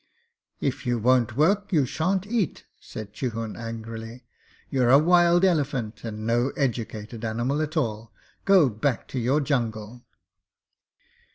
'If you won't work you shan't eat,' said Chihun angrily. 'You're a wild elephant, and no educated animal at all. Go back to your jungle.'